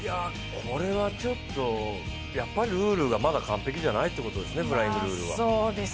これはちょっと、やっぱりルールがまだ完璧じゃないということですね、フライングルールは。